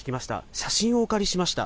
写真をお借りしました。